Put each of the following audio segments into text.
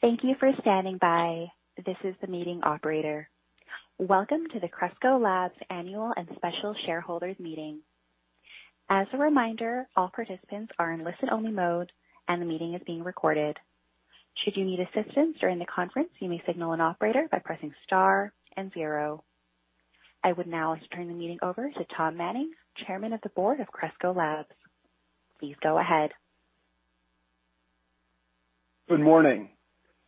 Thank you for standing by. This is the meeting operator. Welcome to the Cresco Labs annual and special shareholders meeting. As a reminder, all participants are in listen-only mode, and the meeting is being recorded. Should you need assistance during the conference, you may signal an operator by pressing star and zero. I would now like to turn the meeting over to Tom Manning, Chairman of the Board of Cresco Labs. Please go ahead. Good morning.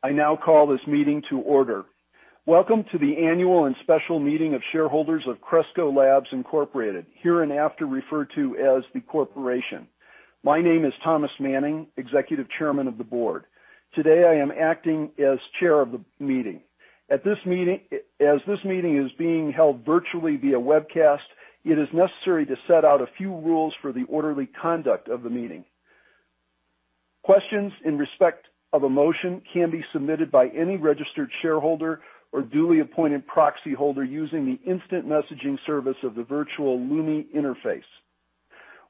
I now call this meeting to order. Welcome to the annual and special meeting of shareholders of Cresco Labs Inc, hereinafter referred to as the Corporation. My name is Thomas Manning, Executive Chairman of the Board. Today, I am acting as Chair of the meeting. As this meeting is being held virtually via webcast, it is necessary to set out a few rules for the orderly conduct of the meeting. Questions in respect of a motion can be submitted by any registered shareholder or duly appointed proxy holder using the instant messaging service of the virtual Lumi interface.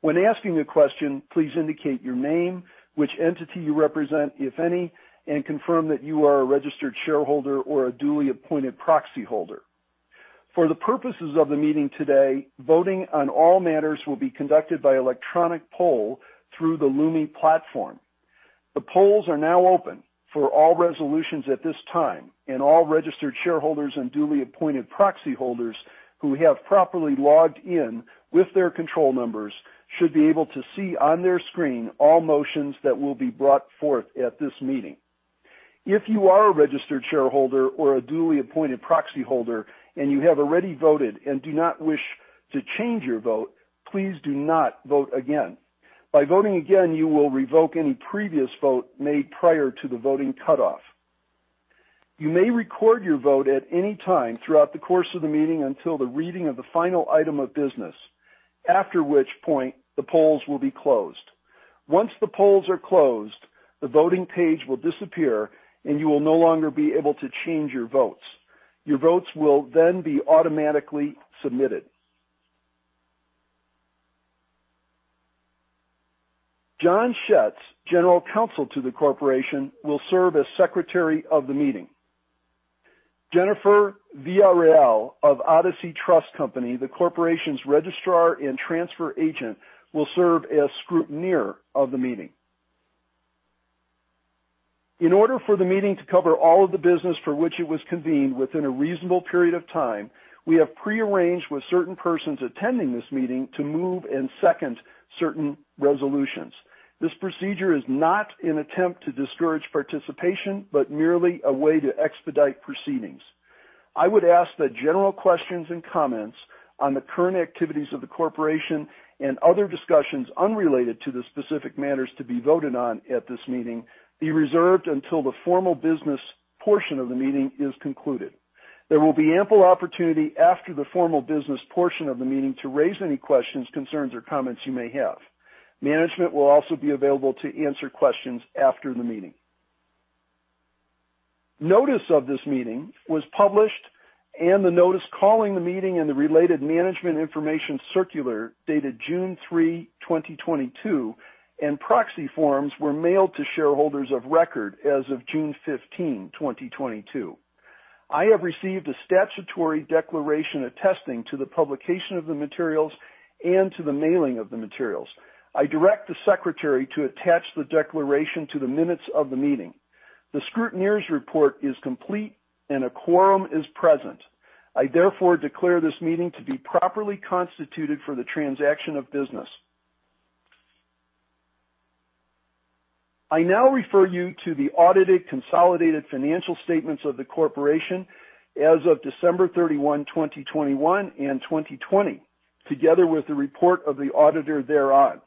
When asking a question, please indicate your name, which entity you represent, if any, and confirm that you are a registered shareholder or a duly appointed proxy holder. For the purposes of the meeting today, voting on all matters will be conducted by electronic poll through the Lumi platform. The polls are now open for all resolutions at this time, and all registered shareholders and duly appointed proxy holders who have properly logged in with their control numbers should be able to see on their screen all motions that will be brought forth at this meeting. If you are a registered shareholder or a duly appointed proxy holder and you have already voted and do not wish to change your vote, please do not vote again. By voting again, you will revoke any previous vote made prior to the voting cutoff. You may record your vote at any time throughout the course of the meeting until the reading of the final item of business, after which point the polls will be closed. Once the polls are closed, the voting page will disappear, and you will no longer be able to change your votes. Your votes will then be automatically submitted. John Schetz, General Counsel to the Corporation, will serve as Secretary of the meeting. Jennifer Villarreal of Odyssey Trust Company, the Corporation's Registrar and Transfer Agent, will serve as Scrutineer of the meeting. In order for the meeting to cover all of the business for which it was convened within a reasonable period of time, we have prearranged with certain persons attending this meeting to move and second certain resolutions. This procedure is not an attempt to discourage participation but merely a way to expedite proceedings. I would ask that general questions and comments on the current activities of the Corporation and other discussions unrelated to the specific matters to be voted on at this meeting be reserved until the formal business portion of the meeting is concluded. There will be ample opportunity after the formal business portion of the meeting to raise any questions, concerns, or comments you may have. Management will also be available to answer questions after the meeting. Notice of this meeting was published, and the notice calling the meeting and the related management information circular dated June 3, 2022, and proxy forms were mailed to shareholders of record as of June 15, 2022. I have received a statutory declaration attesting to the publication of the materials and to the mailing of the materials. I direct the Secretary to attach the declaration to the minutes of the meeting. The scrutineer's report is complete, and a quorum is present. I therefore declare this meeting to be properly constituted for the transaction of business. I now refer you to the audited consolidated financial statements of the Corporation as of December 31, 2021 and 2020, together with the report of the auditor thereon.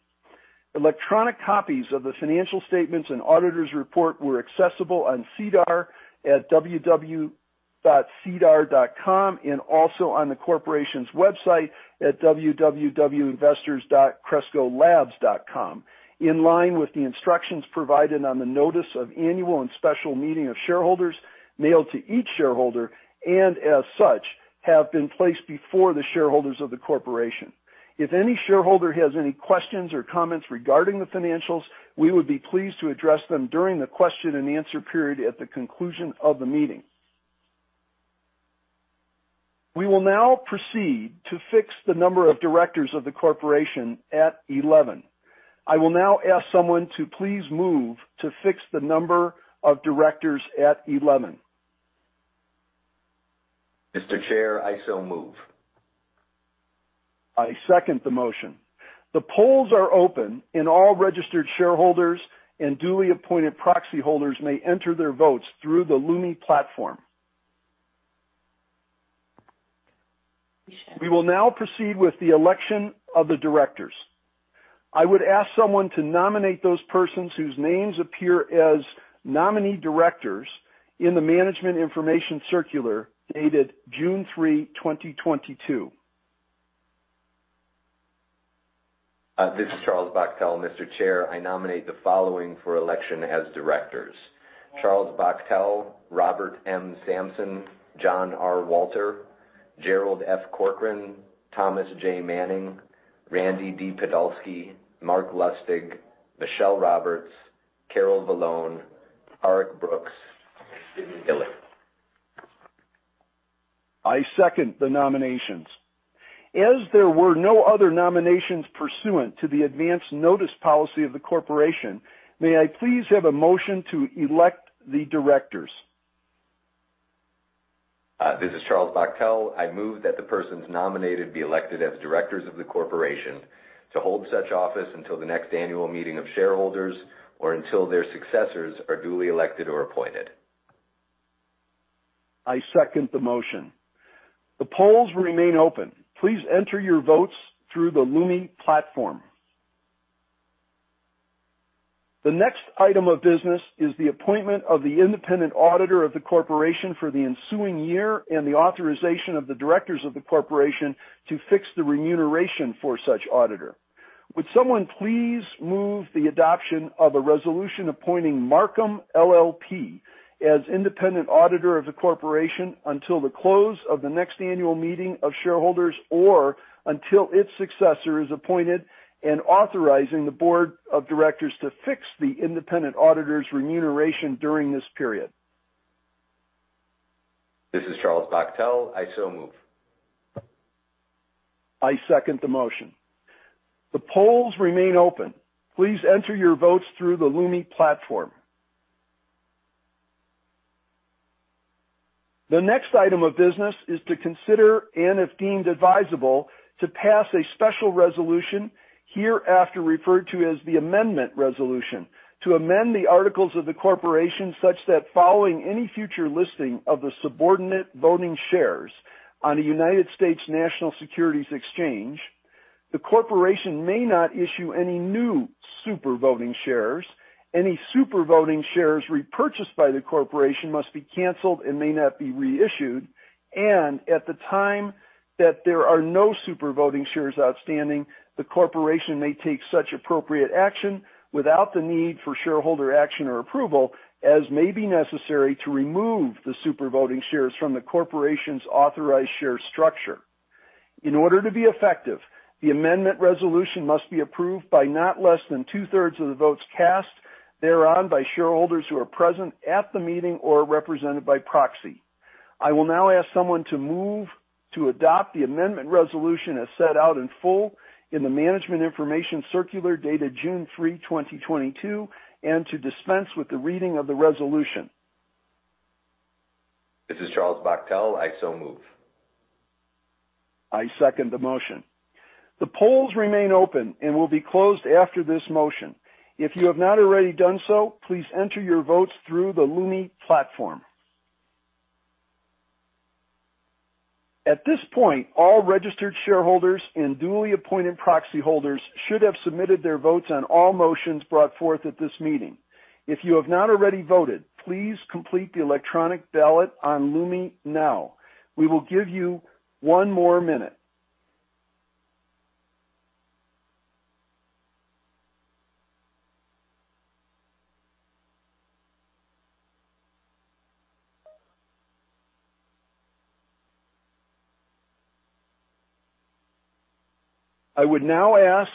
Electronic copies of the financial statements and auditor's report were accessible on SEDAR at www.sedar.com and also on the corporation's website at www.investors.crescolabs.com. In line with the instructions provided on the notice of annual and special meeting of shareholders mailed to each shareholder, and as such have been placed before the shareholders of the corporation. If any shareholder has any questions or comments regarding the financials, we would be pleased to address them during the question and answer period at the conclusion of the meeting. We will now proceed to fix the number of directors of the corporation at 11. I will now ask someone to please move to fix the number of directors at 11. Mr. Chair, I so move. I second the motion. The polls are open, and all registered shareholders and duly appointed proxy holders may enter their votes through the Lumi platform. We will now proceed with the election of the directors. I would ask someone to nominate those persons whose names appear as nominee directors in the management information circular dated June 3, 2022. This is Charles Bachtell. Mr. Chair, I nominate the following for election as directors, Charles Bachtell, Robert M. Sampson, John R. Walter. Gerald F. Corcoran, Thomas J. Manning, Randy D. Podolsky, Marc Lustig, Michele Roberts, Carol Vallone, Tarik Brooks. I second the nominations. As there were no other nominations pursuant to the advance notice policy of the corporation, may I please have a motion to elect the directors? This is Charles Bachtell. I move that the persons nominated be elected as directors of the corporation to hold such office until the next annual meeting of shareholders or until their successors are duly elected or appointed. I second the motion. The polls remain open. Please enter your votes through the Lumi platform. The next item of business is the appointment of the independent auditor of the corporation for the ensuing year and the authorization of the directors of the corporation to fix the remuneration for such auditor. Would someone please move the adoption of a resolution appointing Marcum LLP as independent auditor of the corporation until the close of the next annual meeting of shareholders, or until its successor is appointed and authorizing the board of directors to fix the independent auditor's remuneration during this period. This is Charles Bachtell. I so move. I second the motion. The polls remain open. Please enter your votes through the Lumi platform. The next item of business is to consider, and if deemed advisable, to pass a special resolution hereafter referred to as the Amendment Resolution, to amend the articles of the corporation such that following any future listing of the subordinate voting shares on a United States national securities exchange, the corporation may not issue any new super voting shares. Any super voting shares repurchased by the corporation must be canceled and may not be reissued. At the time that there are no super voting shares outstanding, the corporation may take such appropriate action without the need for shareholder action or approval, as may be necessary to remove the super voting shares from the corporation's authorized share structure. In order to be effective, the amendment resolution must be approved by not less than two-thirds of the votes cast thereon by shareholders who are present at the meeting or represented by proxy. I will now ask someone to move to adopt the amendment resolution as set out in full in the management information circular dated June 3, 2022, and to dispense with the reading of the resolution. This is Charles Bachtell. I so move. I second the motion. The polls remain open and will be closed after this motion. If you have not already done so, please enter your votes through the Lumi platform. At this point, all registered shareholders and duly appointed proxy holders should have submitted their votes on all motions brought forth at this meeting. If you have not already voted, please complete the electronic ballot on Lumi now. We will give you one more minute. I would now ask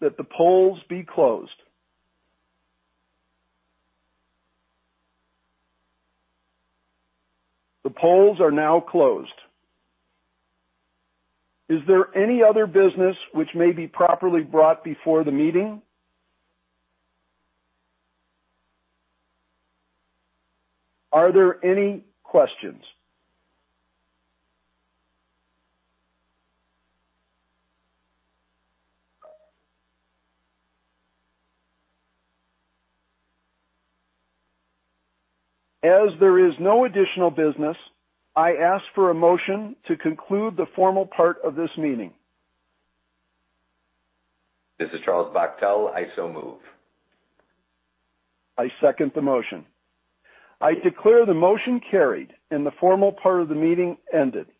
that the polls be closed. The polls are now closed. Is there any other business which may be properly brought before the meeting? Are there any questions? As there is no additional business, I ask for a motion to conclude the formal part of this meeting. This is Charles Bachtell. I so move. I second the motion. I declare the motion carried and the formal part of the meeting ended.